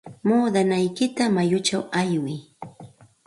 Muudanaykita mayuchaw aywiy.